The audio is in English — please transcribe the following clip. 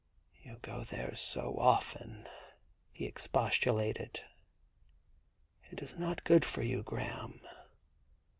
' You go there so often 1 ' he expostulated. * It is not good for you, Graham.